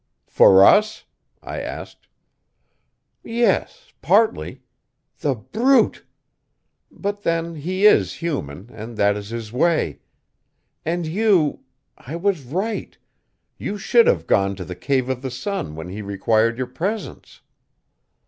"For us?" I asked. "Yes partly. The brute! But then, he is human, and that is his way. And you I was right you should have gone to the Cave of the Sun when he required your presence."